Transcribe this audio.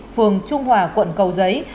phường trung hòa quận cầu giấy